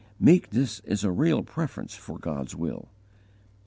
_Meekness is a real preference for God's will.